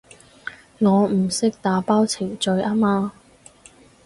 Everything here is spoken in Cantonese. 我唔識打包程序吖嘛